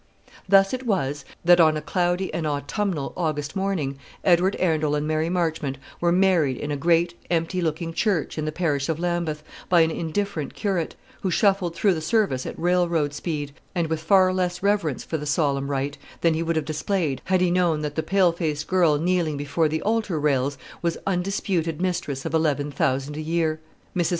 Thus it was that, on a cloudy and autumnal August morning, Edward Arundel and Mary Marchmont were married in a great empty looking church in the parish of Lambeth, by an indifferent curate, who shuffled through the service at railroad speed, and with far less reverence for the solemn rite than he would have displayed had he known that the pale faced girl kneeling before the altar rails was undisputed mistress of eleven thousand a year. Mrs.